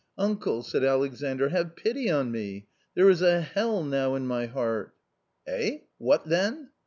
" Uncle !" said Alexandr, " have pity on me ; there is a hell now in my heart." " Eh ? what then